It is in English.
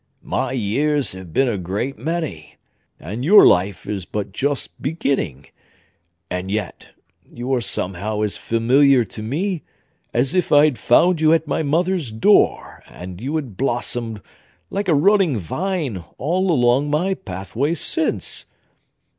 My years have been a great many, and your life is but just beginning; and yet, you are somehow as familiar to me as if I had found you at my mother's door, and you had blossomed, like a running vine, all along my pathway since.